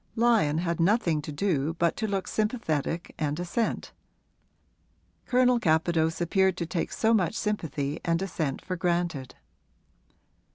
Lyon had nothing to do but to look sympathetic and assent Colonel Capadose appeared to take so much sympathy and assent for granted.